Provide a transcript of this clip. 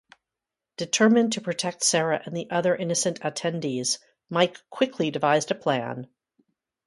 Determined to protect Sarah and the other innocent attendees, Mike quickly devised a plan.